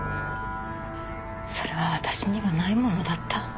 それは私にはないものだった。